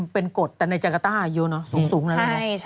เป็นกฎแต่ในจังกะต้าอยู่เนอะสูงนั่นเนอะ